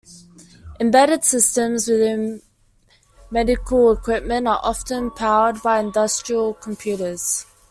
Embedded systems within medical equipment are often powered by industrial computers.